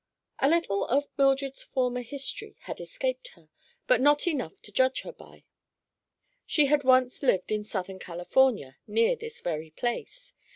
A little of Mildred's former history had escaped her, but not enough to judge her by. She had once lived in Southern California, near this very place.